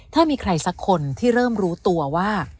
ถ้ามีใครสักคนที่เริ่มรู้ตัวว่า